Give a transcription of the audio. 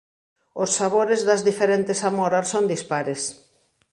Os sabores das diferentes amoras son dispares.